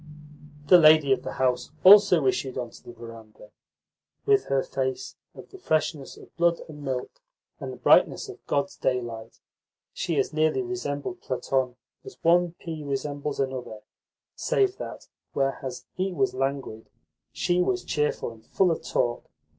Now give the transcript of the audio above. The lady of the house also issued on to the verandah. With her face of the freshness of "blood and milk" and the brightness of God's daylight, she as nearly resembled Platon as one pea resembles another, save that, whereas he was languid, she was cheerful and full of talk.